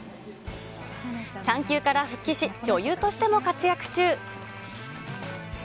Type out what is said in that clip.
産休から復帰し、女優としても活躍中。